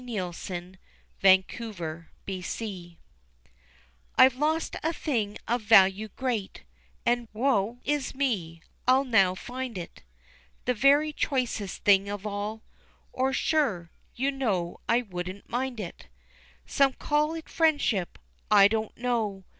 ] His Ex Platonic Friend I've lost a thing of value great, And, woe is me, I'll now find it The very choicest thing of all, Or sure, you know I wouldn't mind it. Some call it friendship I don't know.